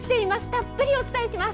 たっぷりお伝えします。